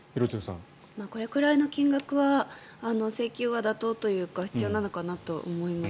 これくらいの金額は請求は妥当というか必要なのかなと思います。